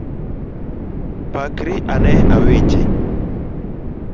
Pakri ane awinji.